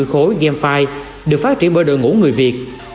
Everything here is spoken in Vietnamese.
với game file được phát triển bởi đội ngũ người việt